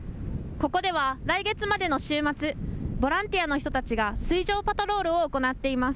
ここでは来月までの週末、ボランティアの人たちが水上パトロールを行っています。